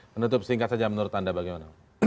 menutup singkat saja menurut anda bagaimana